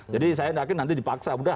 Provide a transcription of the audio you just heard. jadi saya yakin nanti dipaksa